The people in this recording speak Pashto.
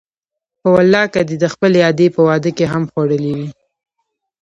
په والله که دې د خپلې ادې په واده کې هم خوړلي وي.